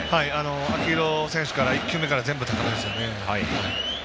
秋広選手から１球目から全部、高めですよね。